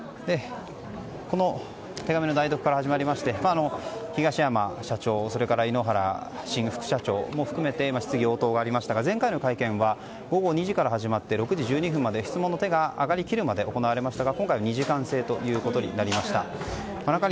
この手紙の代読から始まりまして東山社長井ノ原新副社長も含めて質疑応答がありましたが前回の会見は午後２時から始まって午後６時ごろまで質問の手が上がりきるまで行われましたが今回２時間制ということで行われました。